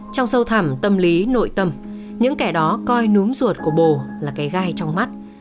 trong sâu thẳm tâm lý nội tâm những kẻ đó coi núm ruột của bồ là cái gai trong mắt